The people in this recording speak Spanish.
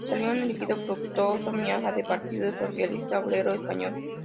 Salió elegido Fructuoso Miaja del Partido Socialista Obrero Español.